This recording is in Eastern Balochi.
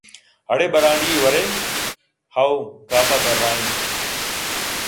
اڑے برانڈی ئے ورئے ؟ ہئو! کاف ءَ درّائینت